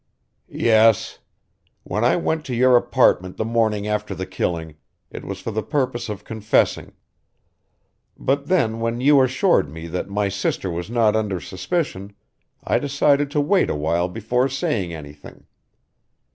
"Yes. When I went to your apartment the morning after the killing, it was for the purpose of confessing. But then when you assured me that my sister was not under suspicion I decided to wait awhile before saying anything."